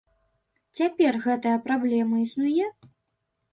Цяпер гэтая праблема існуе?